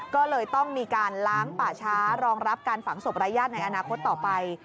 ก็เลยต้องมีการล้างป่าช้ารองรับการฝังศพรายญาติในอนาคตต่อไป